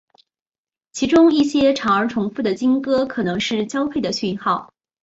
其中一些长而重复的鲸歌可能是交配的讯号。